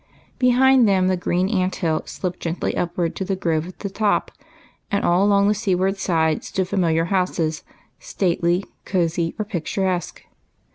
Behind them the green Aunt hill sloped gently up ward to the grove at the top, and all along the sea ward side stood familiar houses, stately, cosey, or picturesque.